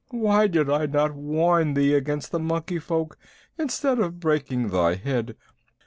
Why did I not warn thee against the Monkey Folk instead of breaking thy head?